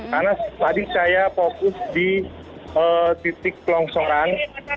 karena tadi saya fokus di titik pelongsoran